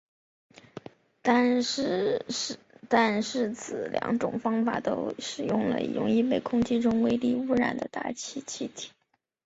但是此两种方法都使用了容易被空气中微粒子污染的大气气体。